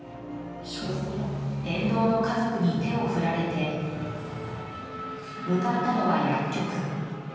沿道の家族に手を振られて向かったのは、薬局。